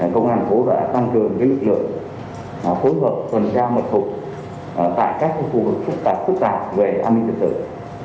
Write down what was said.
công an phố đã tăng cường lực lượng phối hợp tuần tra mật phục tại các khu vực phức tạp về an ninh tình tượng